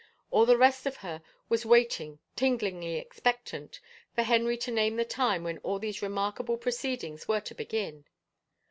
All the rest of her was waiting, tinglingly expectant, for Henry to name a time when all these remarkable proceedings were to b^in.